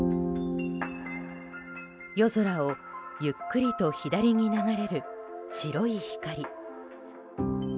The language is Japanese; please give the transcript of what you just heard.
夜空をゆっくりと左に流れる白い光。